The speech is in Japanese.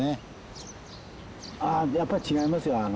やっぱり違いますよ。